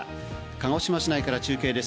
鹿児島市内から中継です。